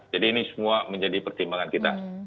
jadi ini semua menjadi pertimbangan kita